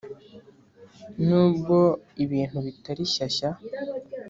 n’ubwo ibintu bitari shyashya